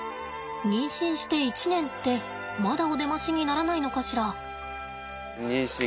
妊娠して１年ってまだお出ましにならないのかしら。